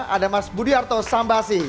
ada mas budiarto sambasi